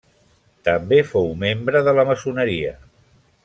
També fou membre de la maçoneria.